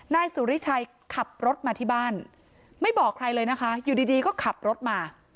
นายสุริชัยขับรถมาที่บ้านไม่บอกใครเลยนะคะอยู่ดีก็ขับรถมา